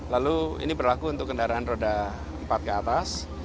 lalu ini berlaku untuk kendaraan roda empat ke atas